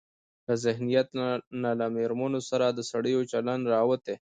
له ذهنيت نه له مېرمنو سره د سړيو چلن راوتى.